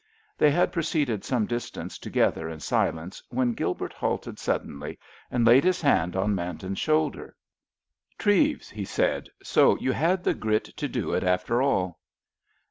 They had proceeded some distance together in silence, when Gilbert halted suddenly, and laid his hand on Manton's shoulder. "Treves," he said, "so you had the grit to do it, after all?"